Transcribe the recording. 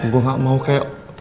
gue gak mau kayak